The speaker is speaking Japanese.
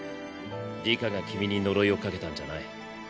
里香が君に呪いをかけたんじゃない。